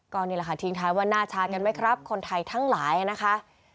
ก็นี่แหละค่ะทิ้งท้ายว่าหน้าชากันไหมครับคนไทยทั้งหลายนะคะ